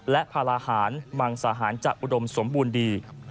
และพาราหารมังสาหารจะอุดมสมบูรณ์ดี